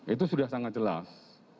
itu sudah sangat jelas